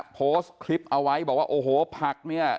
โพสต์คลิปเอาไว้บอกว่าโอ้โหผักเนี่ย